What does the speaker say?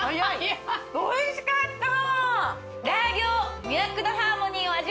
おいしかった！ＯＫ！